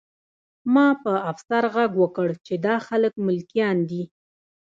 ما په افسر غږ وکړ چې دا خلک ملکیان دي